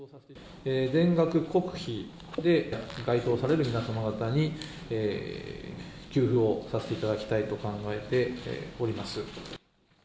全額国費で該当される皆様方に給付をさせていただきたいと考えております。